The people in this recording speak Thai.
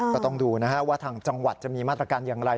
ก็ต้องดูนะฮะว่าทางจังหวัดจะมีมาตรการอย่างไร